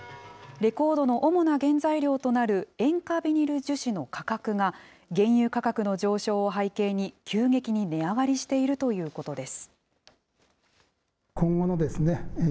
レコードの主な原材料となる塩化ビニル樹脂の価格が、原油価格の上昇を背景に急激に値上がりしているということです。